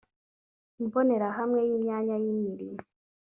imbonerahamwe y’imyanya y’imirimo